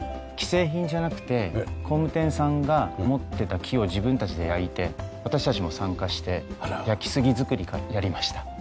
既製品じゃなくて工務店さんが持ってた木を自分たちで焼いて私たちも参加して焼き杉作りからやりました。